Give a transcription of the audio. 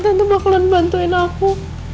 tante bakalan bantuin aku